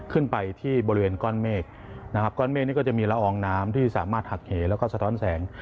ขึ้นไปที่บริเวณก้อนเมฆนะครับก้อนเมฆนี่ก็จะมีละอองน้ำที่สามารถหักเหแล้วก็สะท้อนแสง